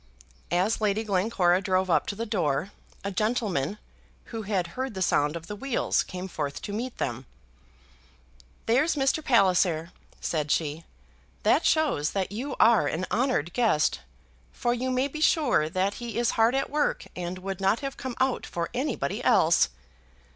As Lady Glencora drove up to the door, a gentleman, who had heard the sound of the wheels, came forth to meet them. "There's Mr. Palliser," said she; "that shows that you are an honoured guest, for you may be sure that he is hard at work and would not have come out for anybody else.